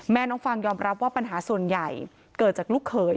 น้องฟางยอมรับว่าปัญหาส่วนใหญ่เกิดจากลูกเขย